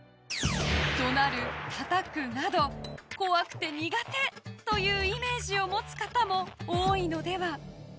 怒鳴る、たたくなど怖くて苦手というイメージを持つ方も多いのでは？